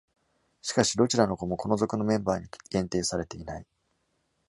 しかし、どちらの語もこの属のメンバーに限定されていない。